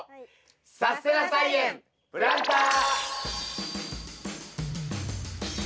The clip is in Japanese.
「さすてな菜園プランター」。